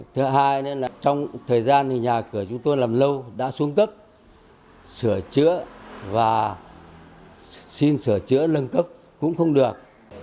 thứ hai là trong thời gian nhà cửa chúng tôi làm lâu đã xuống cấp sửa chữa và xin sửa chữa lân cấp cũng không được